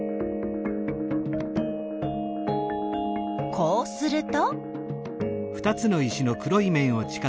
こうすると？